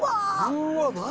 うわっ何？